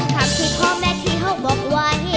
ทำที่พอแม้ที่เขาบอกว่า